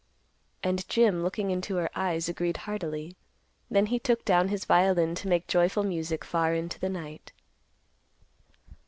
And Jim, looking into her eyes, agreed heartily; then he took down his violin to make joyful music far into the night.